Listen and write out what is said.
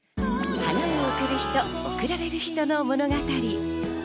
花を贈る人、贈られる人の物語。